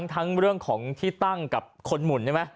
ทั้งเรื่องของที่ตั้งกับคนหมุนใช่ไหม